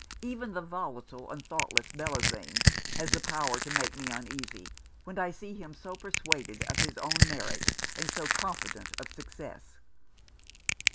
Even the volatile and thoughtless Bellozane has the power to make me uneasy, when I see him so persuaded of his own merit, and so confident of success.'